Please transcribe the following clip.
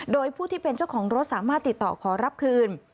โดยผู้ที่เป็นเจ้าของรถสามารถติดต่อขอรับคืน